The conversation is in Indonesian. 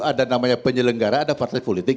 ada namanya penyelenggara ada partai politik